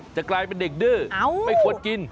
จะกลายเป็นเด็กดื้อไม่ควรกิน